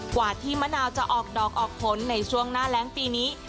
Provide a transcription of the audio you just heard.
กว่าที่มะนาวจะออกดอกออกผลในช่วงหน้าแรงปีนี้